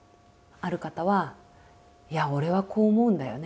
ある方は「いや俺はこう思うんだよね」